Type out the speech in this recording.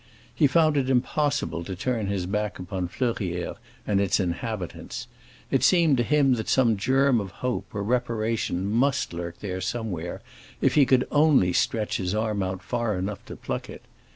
He found it impossible to turn his back upon Fleurières and its inhabitants; it seemed to him that some germ of hope or reparation must lurk there somewhere, if he could only stretch his arm out far enough to pluck it.